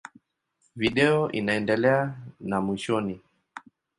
Video inaendelea na mwishoni.